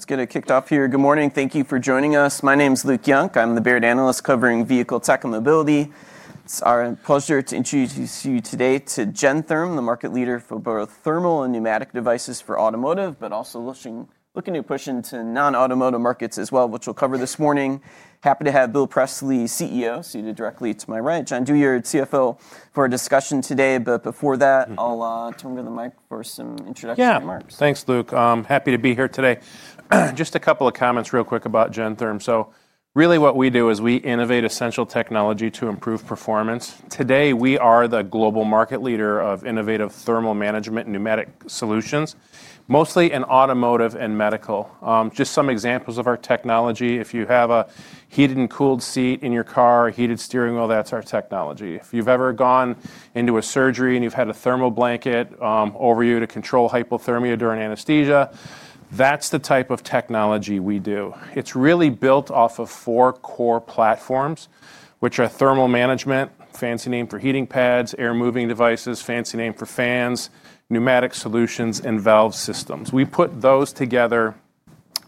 Yeah, let's get it kicked off here. Good morning. Thank you for joining us. My name is Luke Young. I'm the Baird analyst covering vehicle tech and mobility. It's our pleasure to introduce you today to Gentherm, the market leader for both thermal and pneumatic devices for automotive, but also looking to push into non-automotive markets as well, which we'll cover this morning. Happy to have Bill Presley, CEO, seated directly to my right, John Douyard, CFO, for a discussion today. Before that, I'll turn to the mic for some introduction from ours. Yeah, thanks, Luke. Happy to be here today. Just a couple of comments real quick about Gentherm. Really what we do is we innovate essential technology to improve performance. Today we are the global market leader of innovative thermal management and pneumatic solutions, mostly in automotive and medical. Just some examples of our technology. If you have a heated and cooled seat in your car, heated steering wheel, that's our technology. If you've ever gone into a surgery and you've had a thermal blanket over you to control hypothermia during anesthesia, that's the type of technology we do. It's really built off of four core platforms, which are thermal management, fancy name for heating pads, air moving devices, fancy name for fans, pneumatic solutions, and valve systems. We put those together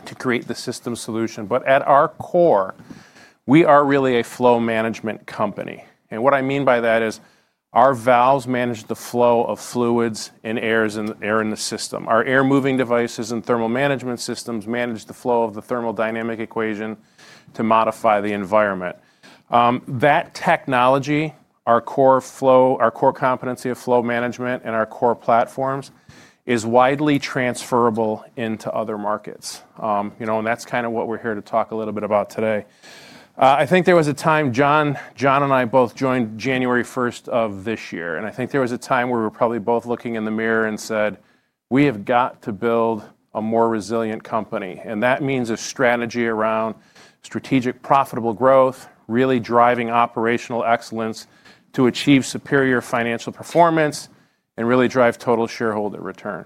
to create the system solution. At our core, we are really a flow management company. What I mean by that is our valves manage the flow of fluids and air in the system. Our air moving devices and thermal management systems manage the flow of the thermodynamic equation to modify the environment. That technology, our core competency of flow management and our core platforms, is widely transferable into other markets. That is kind of what we are here to talk a little bit about today. I think there was a time, John, John and I both joined January 1st of this year. I think there was a time where we were probably both looking in the mirror and said, we have got to build a more resilient company. That means a strategy around strategic profitable growth, really driving operational excellence to achieve superior financial performance and really drive total shareholder return.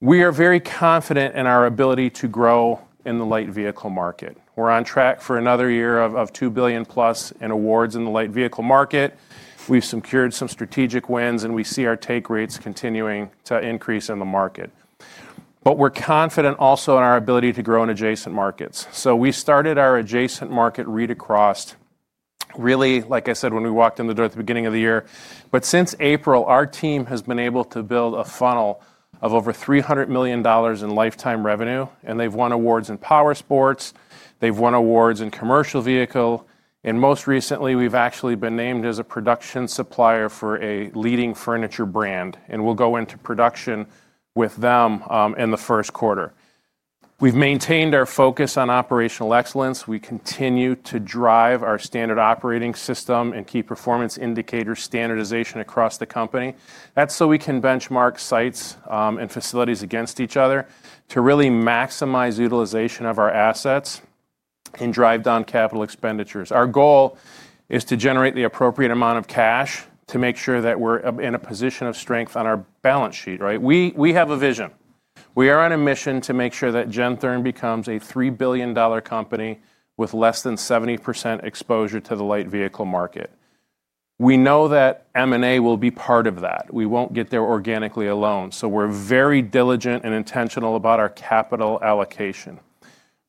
We are very confident in our ability to grow in the light vehicle market. We're on track for another year of $2 billion plus in awards in the light vehicle market. We've secured some strategic wins and we see our take rates continuing to increase in the market. We're confident also in our ability to grow in adjacent markets. We started our adjacent market read across, really, like I said, when we walked in the door at the beginning of the year. Since April, our team has been able to build a funnel of over $300 million in lifetime revenue. They've won awards in power sports. They've won awards in commercial vehicle. Most recently, we've actually been named as a production supplier for a leading furniture brand. We'll go into production with them in the first quarter. We've maintained our focus on operational excellence. We continue to drive our standard operating system and key performance indicator standardization across the company. That is so we can benchmark sites and facilities against each other to really maximize utilization of our assets and drive down capital expenditures. Our goal is to generate the appropriate amount of cash to make sure that we are in a position of strength on our balance sheet. We have a vision. We are on a mission to make sure that Gentherm becomes a $3 billion company with less than 70% exposure to the light vehicle market. We know that M&A will be part of that. We will not get there organically alone. We are very diligent and intentional about our capital allocation.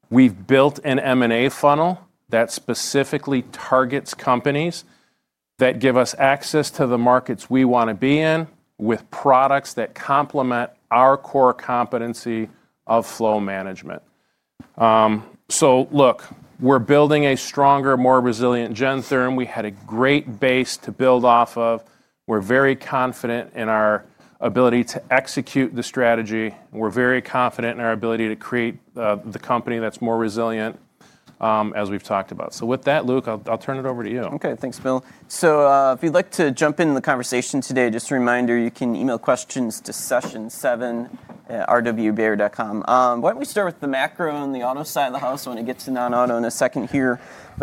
We have built an M&A funnel that specifically targets companies that give us access to the markets we want to be in with products that complement our core competency of flow management. Look, we're building a stronger, more resilient Gentherm. We had a great base to build off of. We're very confident in our ability to execute the strategy. We're very confident in our ability to create the company that's more resilient, as we've talked about. With that, Luke, I'll turn it over to you. Okay, thanks, Bill. If you'd like to jump in the conversation today, just a reminder, you can email questions to session7@rwbaer.com. Why don't we start with the macro on the auto side of the house, then get to non-auto in a second here.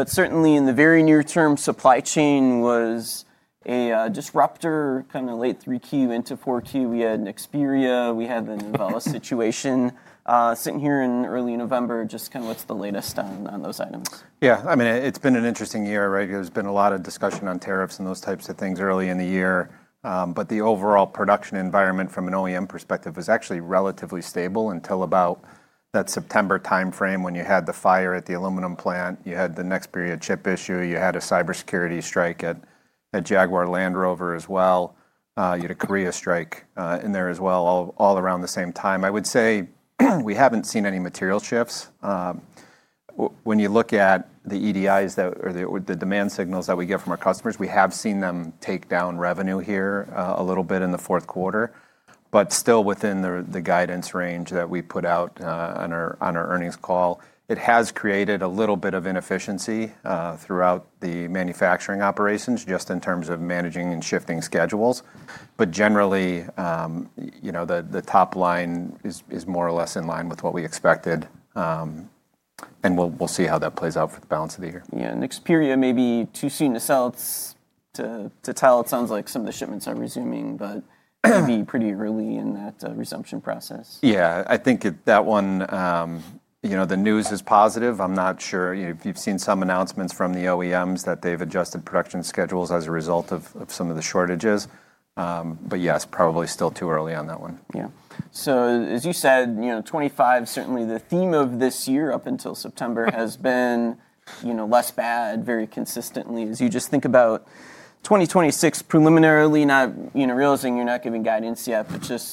Certainly in the very near term, supply chain was a disruptor, kind of late 3Q into 4Q. We had Nexperia. We had the Novelis situation. Sitting here in early November, just kind of what's the latest on those items? Yeah, I mean, it's been an interesting year. There's been a lot of discussion on tariffs and those types of things early in the year. The overall production environment from an OEM perspective was actually relatively stable until about that September timeframe when you had the fire at the aluminum plant. You had the Nexperia chip issue. You had a cybersecurity strike at Jaguar Land Rover as well. You had a Korea strike in there as well, all around the same time. I would say we haven't seen any material shifts. When you look at the EDIs or the demand signals that we get from our customers, we have seen them take down revenue here a little bit in the fourth quarter, but still within the guidance range that we put out on our earnings call. It has created a little bit of inefficiency throughout the manufacturing operations just in terms of managing and shifting schedules. Generally, the top line is more or less in line with what we expected. We will see how that plays out for the balance of the year. Yeah, and Nexperia, maybe too soon to tell. It sounds like some of the shipments are resuming, but it may be pretty early in that resumption process. Yeah, I think that one, the news is positive. I'm not sure if you've seen some announcements from the OEMs that they've adjusted production schedules as a result of some of the shortages. Yes, probably still too early on that one. Yeah. As you said, 2025, certainly the theme of this year up until September has been less bad very consistently. As you just think about 2026 preliminarily, realizing you're not giving guidance yet,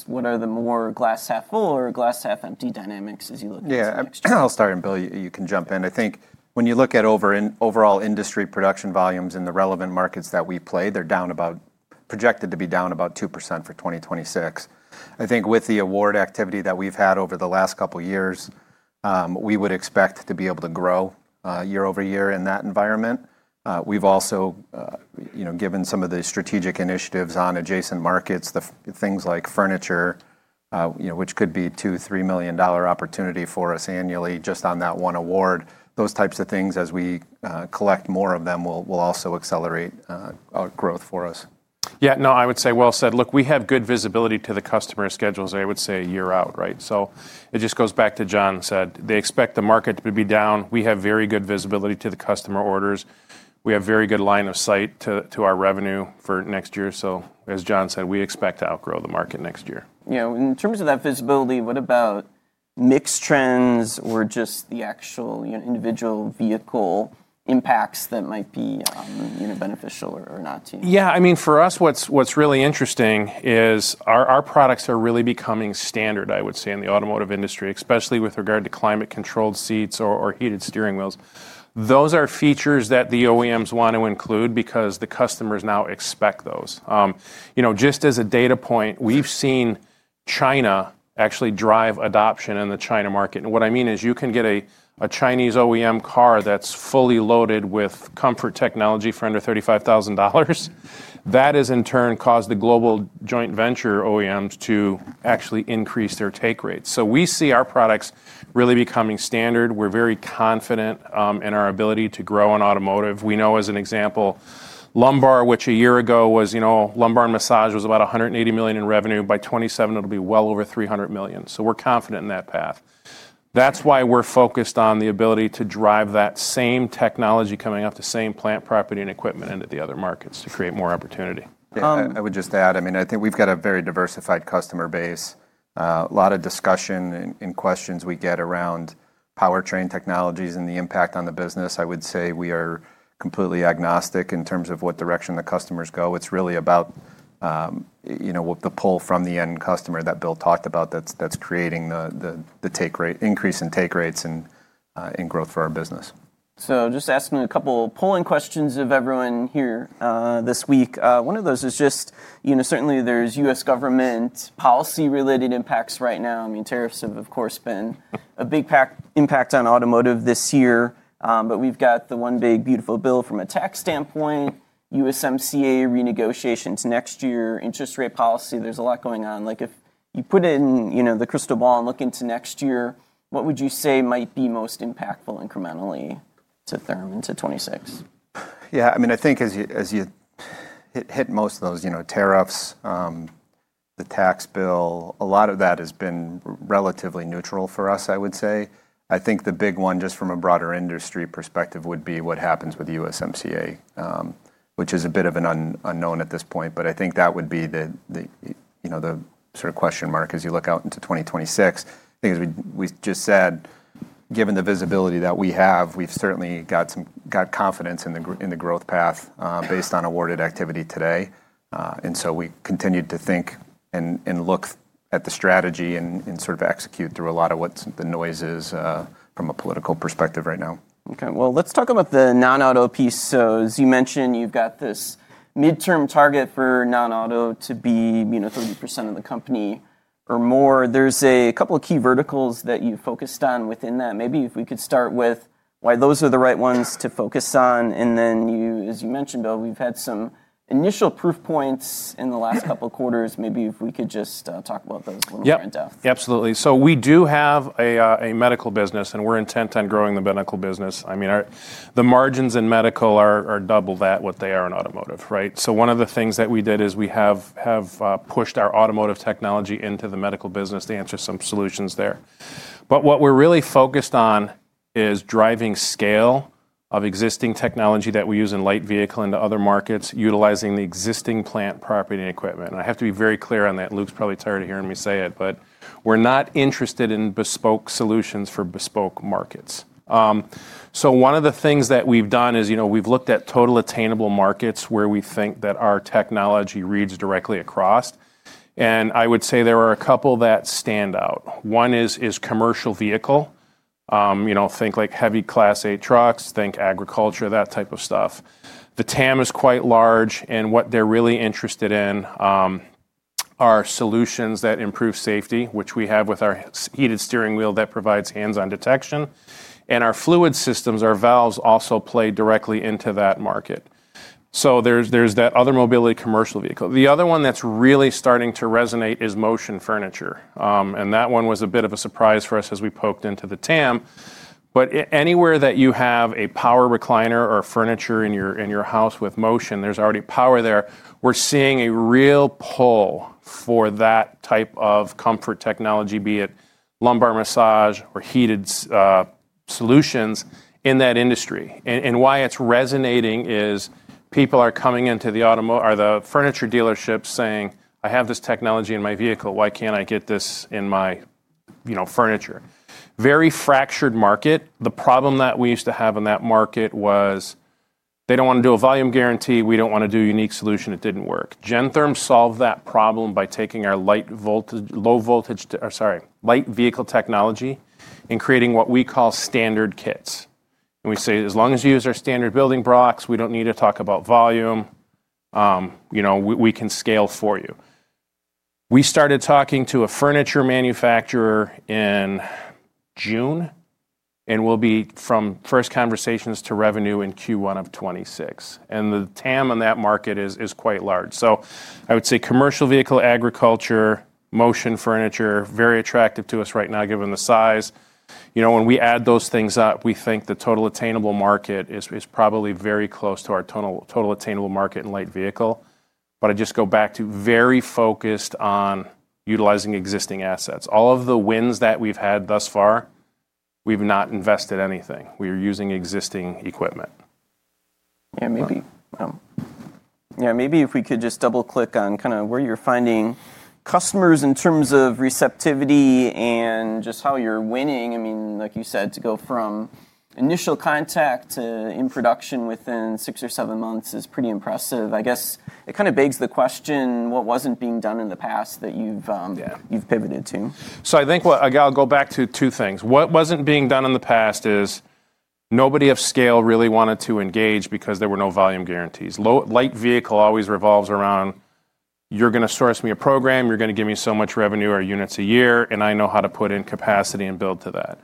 what are the more glass half full or glass half empty dynamics as you look at the next year? Yeah, I'll start, and Bill, you can jump in. I think when you look at overall industry production volumes in the relevant markets that we play, they're down about, projected to be down about 2% for 2026. I think with the award activity that we've had over the last couple of years, we would expect to be able to grow year over year in that environment. We've also given some of the strategic initiatives on adjacent markets, things like furniture, which could be a $2 million-$3 million opportunity for us annually just on that one award. Those types of things, as we collect more of them, will also accelerate growth for us. Yeah, no, I would say well said. Look, we have good visibility to the customer schedules, I would say a year out. It just goes back to John said, they expect the market to be down. We have very good visibility to the customer orders. We have very good line of sight to our revenue for next year. As John said, we expect to outgrow the market next year. In terms of that visibility, what about mixed trends or just the actual individual vehicle impacts that might be beneficial or not to you? Yeah, I mean, for us, what's really interesting is our products are really becoming standard, I would say, in the automotive industry, especially with regard to climate-controlled seats or heated steering wheels. Those are features that the OEMs want to include because the customers now expect those. Just as a data point, we've seen China actually drive adoption in the China market. And what I mean is you can get a Chinese OEM car that's fully loaded with comfort technology for under $35,000. That has in turn caused the global joint venture OEMs to actually increase their take rates. So we see our products really becoming standard. We're very confident in our ability to grow in automotive. We know, as an example, Lumbar, which a year ago was, Lumbar and Massage was about $180 million in revenue. By 2027, it'll be well over $300 million. We're confident in that path. That's why we're focused on the ability to drive that same technology coming off the same plant property and equipment into the other markets to create more opportunity. I would just add, I mean, I think we've got a very diversified customer base. A lot of discussion and questions we get around powertrain technologies and the impact on the business. I would say we are completely agnostic in terms of what direction the customers go. It's really about the pull from the end customer that Bill talked about that's creating the increase in take rates and growth for our business. Just asking a couple of polling questions of everyone here this week. One of those is just certainly there is U.S. government policy-related impacts right now. I mean, tariffs have, of course, been a big impact on automotive this year. We have the one big beautiful bill from a tax standpoint, USMCA renegotiations next year, interest rate policy. There is a lot going on. If you put it in the crystal ball and look into next year, what would you say might be most impactful incrementally to Gentherm into 2026? Yeah, I mean, I think as you hit most of those tariffs, the tax bill, a lot of that has been relatively neutral for us, I would say. I think the big one just from a broader industry perspective would be what happens with USMCA, which is a bit of an unknown at this point. I think that would be the sort of question mark as you look out into 2026. I think as we just said, given the visibility that we have, we've certainly got confidence in the growth path based on awarded activity today. We continue to think and look at the strategy and sort of execute through a lot of what the noise is from a political perspective right now. Okay, let's talk about the non-auto piece. As you mentioned, you've got this midterm target for non-auto to be 30% of the company or more. There are a couple of key verticals that you focused on within that. Maybe if we could start with why those are the right ones to focus on. As you mentioned, Bill, we've had some initial proof points in the last couple of quarters. Maybe if we could just talk about those a little more in depth. Yeah, absolutely. So we do have a medical business, and we're intent on growing the medical business. I mean, the margins in medical are double that what they are in automotive. One of the things that we did is we have pushed our automotive technology into the medical business to answer some solutions there. What we're really focused on is driving scale of existing technology that we use in light vehicle into other markets, utilizing the existing plant property and equipment. I have to be very clear on that. Luke's probably tired of hearing me say it, but we're not interested in bespoke solutions for bespoke markets. One of the things that we've done is we've looked at total attainable markets where we think that our technology reads directly across. I would say there are a couple that stand out. One is commercial vehicle. Think like heavy class A trucks, think agriculture, that type of stuff. The TAM is quite large, and what they're really interested in are solutions that improve safety, which we have with our heated steering wheel that provides hands-on detection. Our fluid systems, our valves also play directly into that market. There is that other mobility commercial vehicle. The other one that's really starting to resonate is motion furniture. That one was a bit of a surprise for us as we poked into the TAM. Anywhere that you have a power recliner or furniture in your house with motion, there's already power there. We're seeing a real pull for that type of comfort technology, be it lumbar, massage, or heated solutions in that industry. Why it's resonating is people are coming into the furniture dealerships saying, "I have this technology in my vehicle. Why can't I get this in my furniture?" Very fractured market. The problem that we used to have in that market was they do not want to do a volume guarantee. We do not want to do a unique solution. It did not work. Gentherm solved that problem by taking our low voltage, light vehicle technology and creating what we call standard kits. We say, "As long as you use our standard building blocks, we do not need to talk about volume. We can scale for you." We started talking to a furniture manufacturer in June, and we will be from first conversations to revenue in Q1 of 2026. The TAM on that market is quite large. I would say commercial vehicle, agriculture, motion furniture, very attractive to us right now given the size. When we add those things up, we think the total attainable market is probably very close to our total attainable market in light vehicle. I just go back to very focused on utilizing existing assets. All of the wins that we've had thus far, we've not invested anything. We are using existing equipment. Yeah, maybe if we could just double-click on kind of where you're finding customers in terms of receptivity and just how you're winning. I mean, like you said, to go from initial contact to in production within six or seven months is pretty impressive. I guess it kind of begs the question, what wasn't being done in the past that you've pivoted to? I think I'll go back to two things. What wasn't being done in the past is nobody of scale really wanted to engage because there were no volume guarantees. Light vehicle always revolves around, "You're going to source me a program. You're going to give me so much revenue or units a year, and I know how to put in capacity and build to that."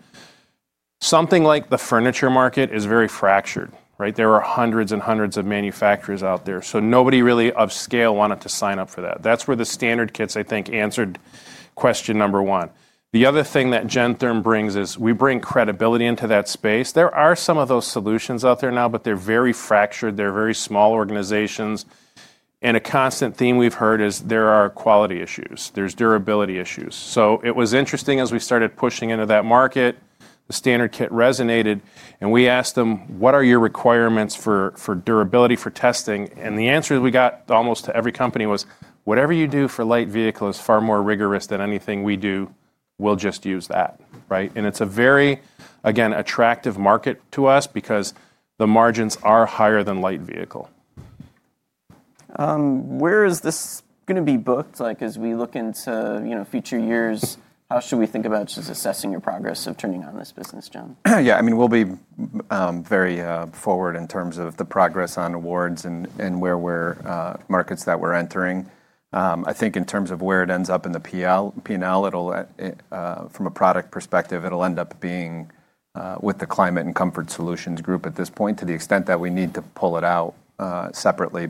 Something like the furniture market is very fractured. There are hundreds and hundreds of manufacturers out there. Nobody really of scale wanted to sign up for that. That's where the standard kits, I think, answered question number one. The other thing that Gentherm brings is we bring credibility into that space. There are some of those solutions out there now, but they're very fractured. They're very small organizations. A constant theme we've heard is there are quality issues. There's durability issues. It was interesting as we started pushing into that market, the standard kit resonated. We asked them, "What are your requirements for durability for testing?" The answer we got almost to every company was, "Whatever you do for light vehicle is far more rigorous than anything we do. We'll just use that." It is a very, again, attractive market to us because the margins are higher than light vehicle. Where is this going to be booked? As we look into future years, how should we think about just assessing your progress of turning on this business, John? Yeah, I mean, we'll be very forward in terms of the progress on awards and where we're markets that we're entering. I think in terms of where it ends up in the P&L, from a product perspective, it'll end up being with the climate and comfort solutions group at this point to the extent that we need to pull it out separately.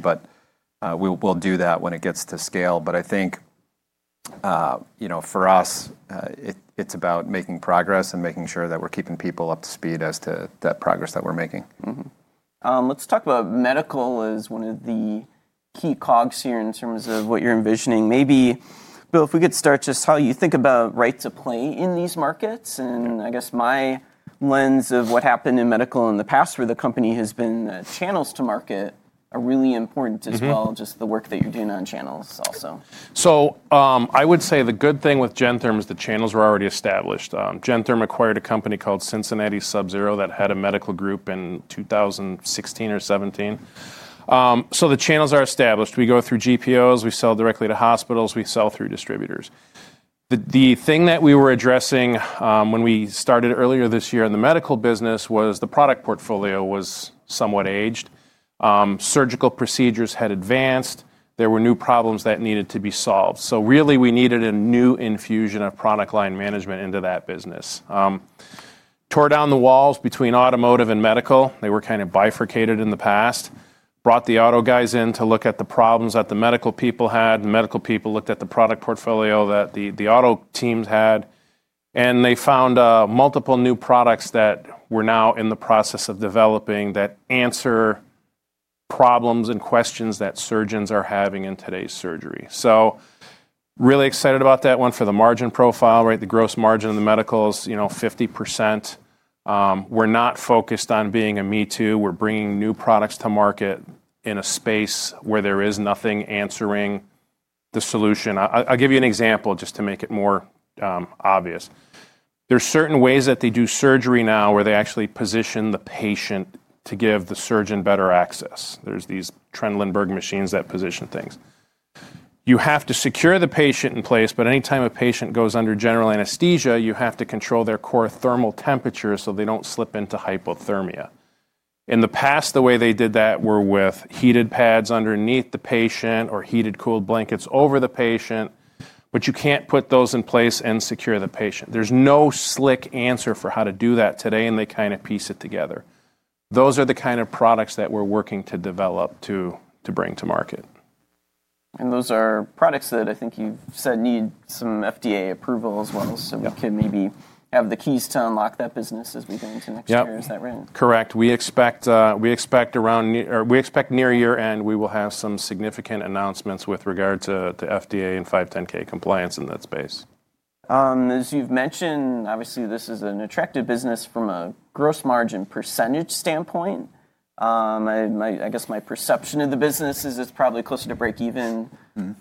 We'll do that when it gets to scale. I think for us, it's about making progress and making sure that we're keeping people up to speed as to that progress that we're making. Let's talk about medical as one of the key cogs here in terms of what you're envisioning. Maybe, Bill, if we could start just how you think about rights of play in these markets. I guess my lens of what happened in medical in the past where the company has been, channels to market are really important as well, just the work that you're doing on channels also. I would say the good thing with Gentherm is the channels were already established. Gentherm acquired a company called Cincinnati Sub-Zero that had a medical group in 2016 or 2017. The channels are established. We go through GPOs. We sell directly to hospitals. We sell through distributors. The thing that we were addressing when we started earlier this year in the medical business was the product portfolio was somewhat aged. Surgical procedures had advanced. There were new problems that needed to be solved. Really, we needed a new infusion of product line management into that business. Tore down the walls between automotive and medical. They were kind of bifurcated in the past. Brought the auto guys in to look at the problems that the medical people had. The medical people looked at the product portfolio that the auto teams had. They found multiple new products that we're now in the process of developing that answer problems and questions that surgeons are having in today's surgery. Really excited about that one for the margin profile. The gross margin of the medical is 50%. We're not focused on being a me too. We're bringing new products to market in a space where there is nothing answering the solution. I'll give you an example just to make it more obvious. There are certain ways that they do surgery now where they actually position the patient to give the surgeon better access. There are these Trendelenburg machines that position things. You have to secure the patient in place, but anytime a patient goes under general anesthesia, you have to control their core thermal temperature so they do not slip into hypothermia. In the past, the way they did that were with heated pads underneath the patient or heated cooled blankets over the patient, but you can't put those in place and secure the patient. There's no slick answer for how to do that today, and they kind of piece it together. Those are the kind of products that we're working to develop to bring to market. Those are products that I think you've said need some FDA approval as well. We can maybe have the keys to unlock that business as we go into next year. Is that right? Correct. We expect around near year-end, we will have some significant announcements with regard to FDA and 510(k) compliance in that space. As you've mentioned, obviously, this is an attractive business from a gross margin percentage standpoint. I guess my perception of the business is it's probably closer to break even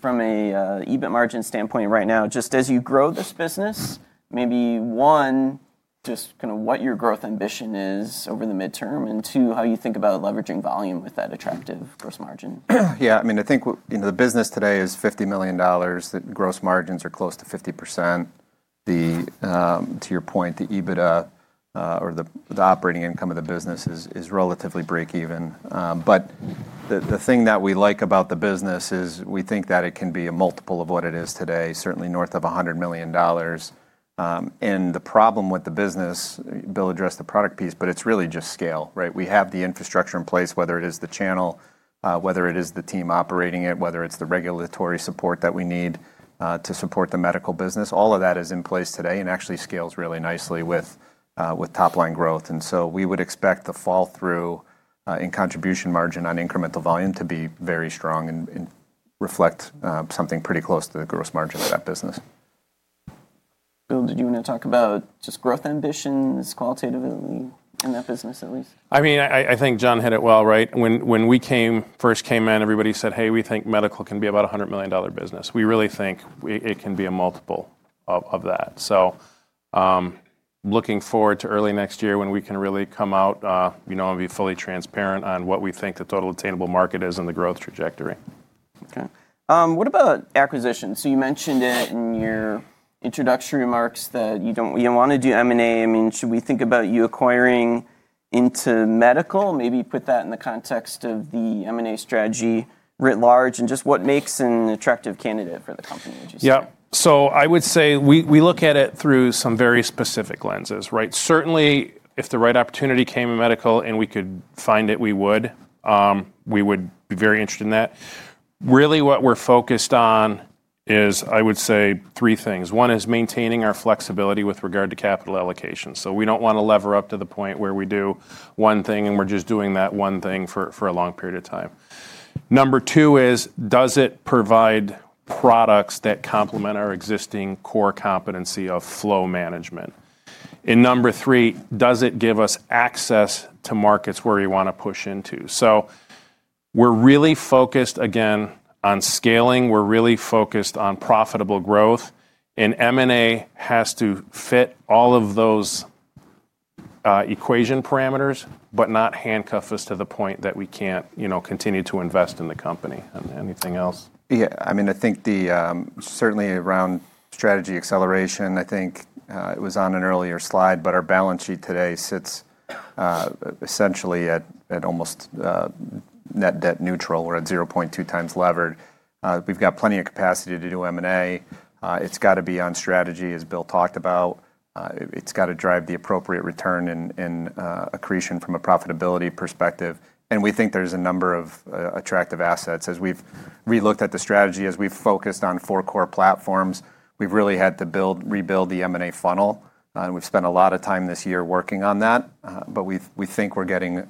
from an EBIT margin standpoint right now. Just as you grow this business, maybe one, just kind of what your growth ambition is over the midterm and two, how you think about leveraging volume with that attractive gross margin. Yeah, I mean, I think the business today is $50 million. The gross margins are close to 50%. To your point, the EBITDA or the operating income of the business is relatively break even. The thing that we like about the business is we think that it can be a multiple of what it is today, certainly north of $100 million. The problem with the business, Bill addressed the product piece, but it's really just scale. We have the infrastructure in place, whether it is the channel, whether it is the team operating it, whether it's the regulatory support that we need to support the medical business. All of that is in place today and actually scales really nicely with top-line growth. We would expect the fall through in contribution margin on incremental volume to be very strong and reflect something pretty close to the gross margin of that business. Bill, did you want to talk about just growth ambitions qualitatively in that business at least? I mean, I think John hit it well, right? When we first came in, everybody said, "Hey, we think medical can be about a $100 million business." We really think it can be a multiple of that. Looking forward to early next year when we can really come out and be fully transparent on what we think the total attainable market is and the growth trajectory. Okay. What about acquisitions? You mentioned in your introductory remarks that you do not want to do M&A. I mean, should we think about you acquiring into medical? Maybe put that in the context of the M&A strategy writ large and just what makes an attractive candidate for the company. Yeah. I would say we look at it through some very specific lenses. Certainly, if the right opportunity came in medical and we could find it, we would. We would be very interested in that. Really, what we're focused on is, I would say, three things. One is maintaining our flexibility with regard to capital allocation. We do not want to lever up to the point where we do one thing and we are just doing that one thing for a long period of time. Number two is, does it provide products that complement our existing core competency of flow management? Number three, does it give us access to markets where we want to push into? We are really focused, again, on scaling. We are really focused on profitable growth. M&A has to fit all of those equation parameters, but not handcuff us to the point that we can't continue to invest in the company. Anything else? Yeah. I mean, I think certainly around strategy acceleration, I think it was on an earlier slide, but our balance sheet today sits essentially at almost net debt neutral or at 0.2x levered. We've got plenty of capacity to do M&A. It's got to be on strategy, as Bill talked about. It's got to drive the appropriate return and accretion from a profitability perspective. We think there's a number of attractive assets. As we've relooked at the strategy, as we've focused on four core platforms, we've really had to rebuild the M&A funnel. We've spent a lot of time this year working on that. We think we're getting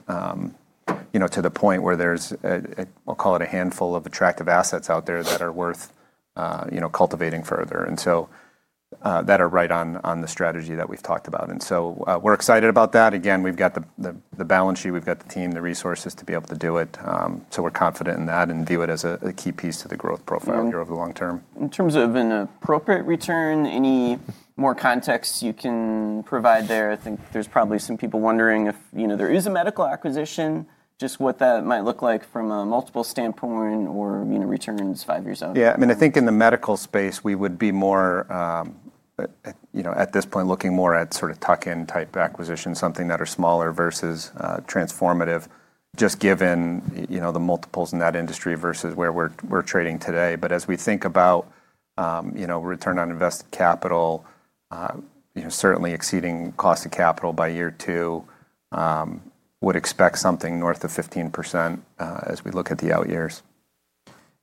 to the point where there's, I'll call it a handful of attractive assets out there that are worth cultivating further. That are right on the strategy that we've talked about. We're excited about that. Again, we've got the balance sheet. We've got the team, the resources to be able to do it. So we're confident in that and view it as a key piece to the growth profile here over the long term. In terms of an appropriate return, any more context you can provide there? I think there's probably some people wondering if there is a medical acquisition, just what that might look like from a multiple standpoint or returns five years out. Yeah. I mean, I think in the medical space, we would be more at this point looking more at sort of tuck-in type acquisitions, something that are smaller versus transformative, just given the multiples in that industry versus where we're trading today. As we think about return on invested capital, certainly exceeding cost of capital by year two, would expect something north of 15% as we look at the out years.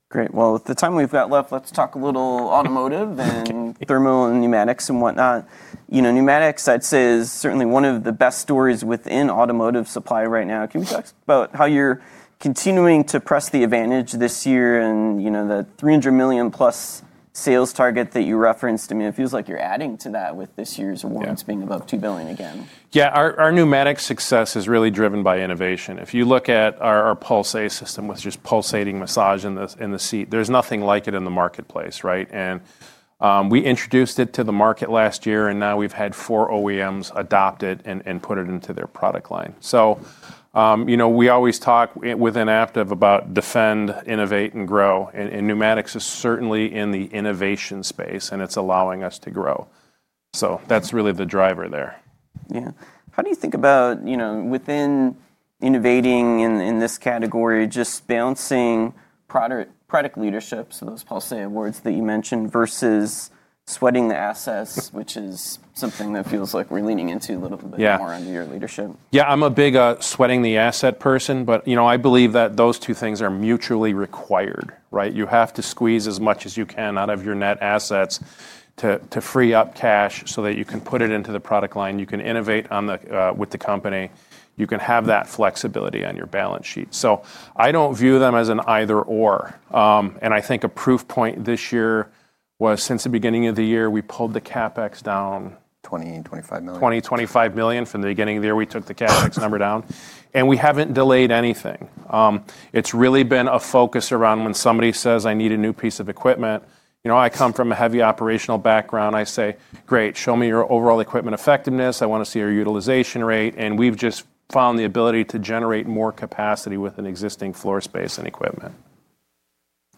Great. With the time we've got left, let's talk a little automotive and thermal and pneumatics and whatnot. Pneumatics, I'd say, is certainly one of the best stories within automotive supply right now. Can we talk about how you're continuing to press the advantage this year and the $300 million+ sales target that you referenced? I mean, it feels like you're adding to that with this year's awards being above $2 billion again. Yeah. Our pneumatic success is really driven by innovation. If you look at our Pulsea system with just pulsating massage in the seat, there's nothing like it in the marketplace. We introduced it to the market last year, and now we've had four OEMs adopt it and put it into their product line. We always talk within Apte about defend, innovate, and grow. Pneumatics is certainly in the innovation space, and it's allowing us to grow. That's really the driver there. Yeah. How do you think about within innovating in this category, just balancing product leadership, so those Pulsea awards that you mentioned, versus sweating the assets, which is something that feels like we're leaning into a little bit more under your leadership? Yeah. I'm a big sweating the asset person, but I believe that those two things are mutually required. You have to squeeze as much as you can out of your net assets to free up cash so that you can put it into the product line. You can innovate with the company. You can have that flexibility on your balance sheet. I don't view them as an either/or. I think a proof point this year was since the beginning of the year, we pulled the CapEx down. $20 million, $25 million. $20 million-$25 million from the beginning of the year, we took the CapEx number down. We have not delayed anything. It has really been a focus around when somebody says, "I need a new piece of equipment." I come from a heavy operational background. I say, "Great. Show me your overall equipment effectiveness. I want to see your utilization rate." We have just found the ability to generate more capacity with existing floor space and equipment.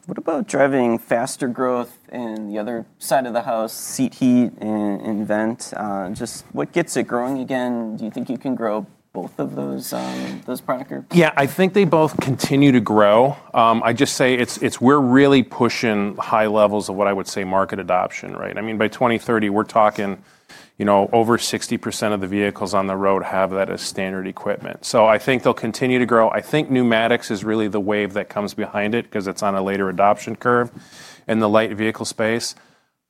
What about driving faster growth in the other side of the house, seat heat and vent? Just what gets it growing again? Do you think you can grow both of those product groups? Yeah. I think they both continue to grow. I just say we're really pushing high levels of what I would say market adoption. I mean, by 2030, we're talking over 60% of the vehicles on the road have that as standard equipment. I think they'll continue to grow. I think pneumatics is really the wave that comes behind it because it's on a later adoption curve in the light vehicle space.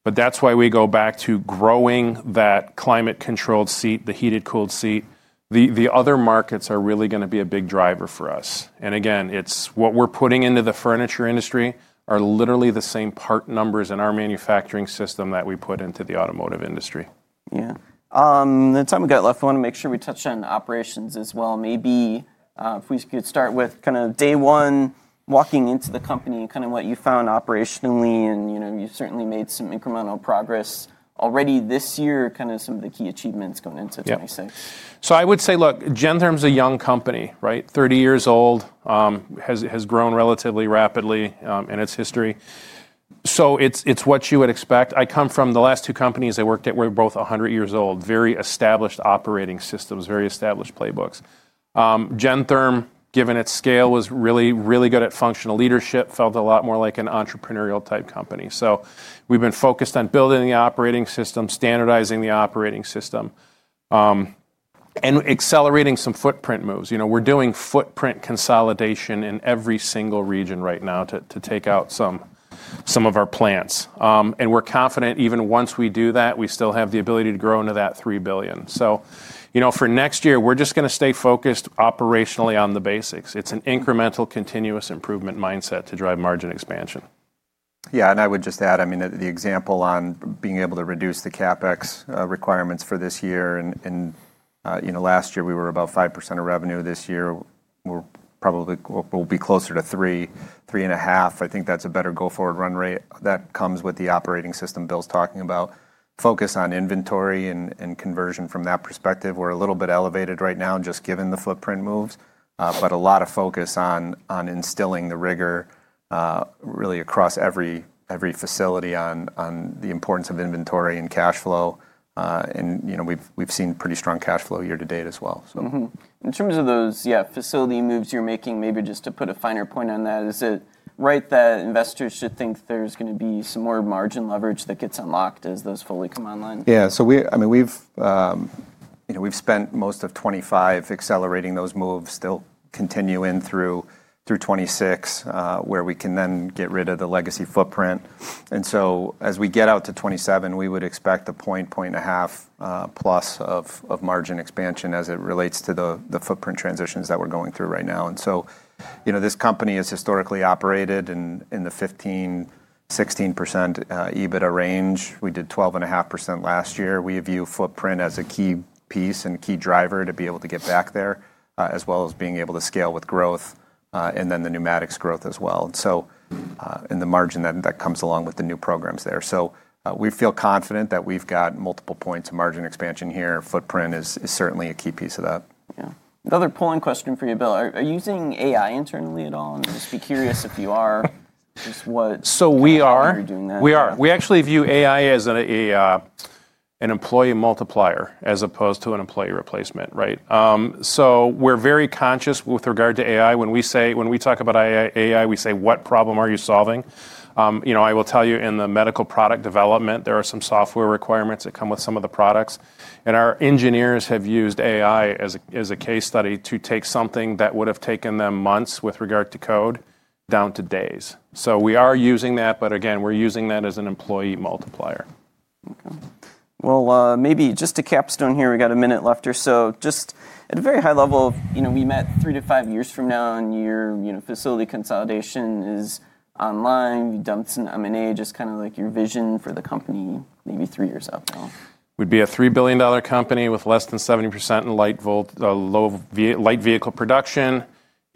That is why we go back to growing that climate-controlled seat, the heated cooled seat. The other markets are really going to be a big driver for us. Again, what we're putting into the furniture industry are literally the same part numbers in our manufacturing system that we put into the automotive industry. Yeah. The time we got left, I want to make sure we touch on operations as well. Maybe if we could start with kind of day one, walking into the company, kind of what you found operationally. You certainly made some incremental progress already this year, kind of some of the key achievements going into 2026. I would say, look, Gentherm is a young company, 30-years-old, has grown relatively rapidly in its history. It is what you would expect. I come from the last two companies I worked at were both 100-years-old, very established operating systems, very established playbooks. Gentherm, given its scale, was really, really good at functional leadership, felt a lot more like an entrepreneurial type company. We have been focused on building the operating system, standardizing the operating system, and accelerating some footprint moves. We are doing footprint consolidation in every single region right now to take out some of our plants. We are confident even once we do that, we still have the ability to grow into that $3 billion. For next year, we are just going to stay focused operationally on the basics. It is an incremental continuous improvement mindset to drive margin expansion. Yeah. I would just add, I mean, the example on being able to reduce the CapEx requirements for this year. Last year, we were about 5% of revenue. This year, we'll be closer to 3%-3.5%. I think that's a better go-forward run rate that comes with the operating system Bill's talking about. Focus on inventory and conversion from that perspective. We're a little bit elevated right now just given the footprint moves, but a lot of focus on instilling the rigor really across every facility on the importance of inventory and cash flow. We've seen pretty strong cash flow year to date as well. In terms of those, yeah, facility moves you're making, maybe just to put a finer point on that, is it right that investors should think there's going to be some more margin leverage that gets unlocked as those fully come online? Yeah. So I mean, we've spent most of 2025 accelerating those moves, still continue in through 2026, where we can then get rid of the legacy footprint. As we get out to 2027, we would expect a 0.5+ of margin expansion as it relates to the footprint transitions that we're going through right now. This company has historically operated in the 15%-16% EBITDA range. We did 12.5% last year. We view footprint as a key piece and key driver to be able to get back there, as well as being able to scale with growth and then the pneumatics growth as well. The margin that comes along with the new programs there. We feel confident that we've got multiple points of margin expansion here. Footprint is certainly a key piece of that. Yeah. Another polling question for you, Bill. Are you using AI internally at all? I'm just curious if you are, just what you're doing there. We actually view AI as an employee multiplier as opposed to an employee replacement. We are very conscious with regard to AI. When we talk about AI, we say, "What problem are you solving?" I will tell you in the medical product development, there are some software requirements that come with some of the products. Our engineers have used AI as a case study to take something that would have taken them months with regard to code down to days. We are using that, but again, we are using that as an employee multiplier. Okay. Maybe just to capstone here, we got a minute left or so. Just at a very high level, we met three to five years from now, and your facility consolidation is online. You dumped some M&A. Just kind of like your vision for the company maybe three years out now. We'd be a $3 billion company with less than 70% in light vehicle production.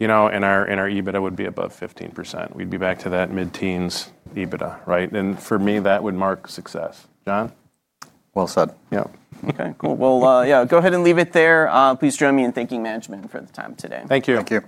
Our EBITDA would be above 15%. We'd be back to that mid-teens EBITDA. For me, that would mark success. John? Well said. Yeah. Okay. Cool. Yeah, go ahead and leave it there. Please join me in thanking management for the time today. Thank you. Thank you.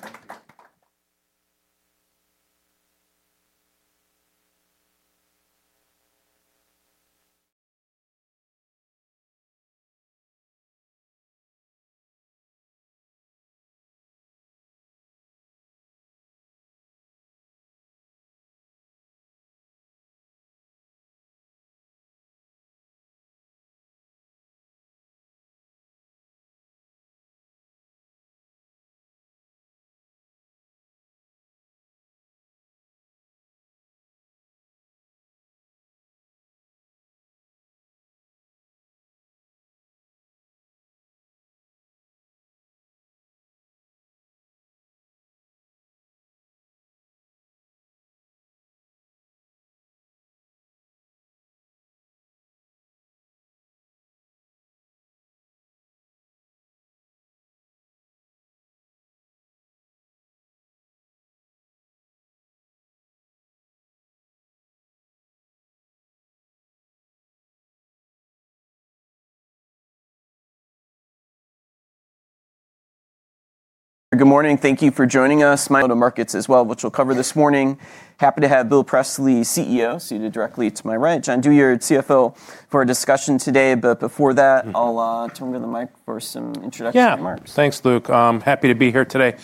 Good morning. Thank you for joining us. To markets as well, which we'll cover this morning. Happy to have Bill Presley, CEO, seated directly to my right. John Douyard, CFO, for a discussion today. Before that, I'll turn to the mic for some introduction remarks. Yeah. Thanks, Luke. Happy to be here today.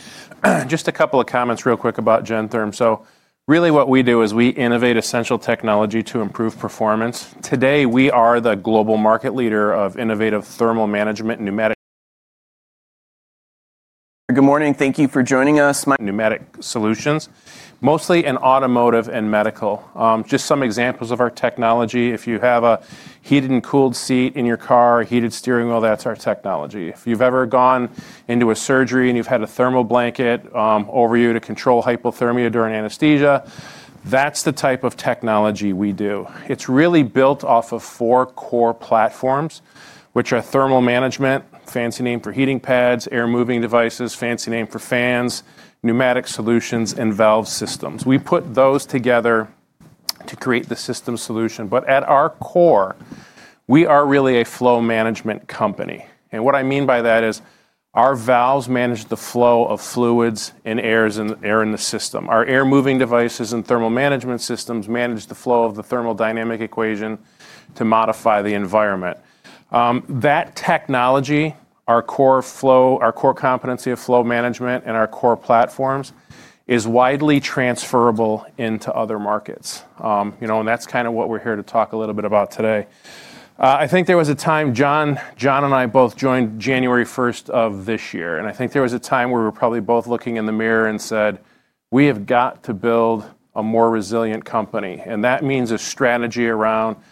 Just a couple of comments real quick about Gentherm. So really what we do is we innovate essential technology to improve performance. Today, we are the global market leader of innovative thermal management, mostly in automotive and medical. Just some examples of our technology. If you have a heated and cooled seat in your car, heated steering wheel, that's our technology. If you've ever gone into a surgery and you've had a thermal blanket over you to control hypothermia during anesthesia, that's the type of technology we do. It's really built off of four core platforms, which are thermal management, fancy name for heating pads, air moving devices, fancy name for fans, pneumatic solutions, and valve systems. We put those together to create the system solution. At our core, we are really a flow management company. What I mean by that is our valves manage the flow of fluids and air in the system. Our air moving devices and thermal management systems manage the flow of the thermodynamic equation to modify the environment. That technology, our core competency of flow management and our core platforms is widely transferable into other markets. That is kind of what we are here to talk a little bit about today. I think there was a time, John and I both joined January 1 of this year. I think there was a time where we were probably both looking in the mirror and said, "We have got to build a more resilient company." That means a strategy around strategy.